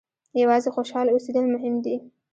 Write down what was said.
یوازې خوشاله اوسېدل مهم دي.